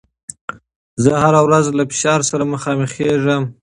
زه هره ورځ له فشار سره مخامخېږم.